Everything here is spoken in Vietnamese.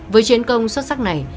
với chiến công xuất sắc này